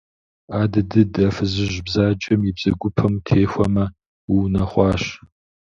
Адыдыд, а фызыжь бзаджэм и бзэгупэм утехуамэ, уунэхъуащ.